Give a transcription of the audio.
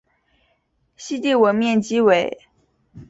西帝汶面积为。